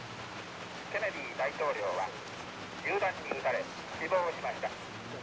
ケネディ大統領は銃弾に撃たれ、死亡しました。